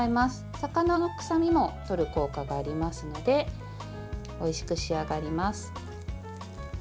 魚の臭みもとる効果がありますのでおいしく仕上がります。